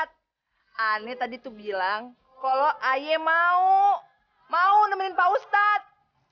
aduh pak ustadz ane tadi tuh bilang kalau aye mau mau nemenin pak ustadz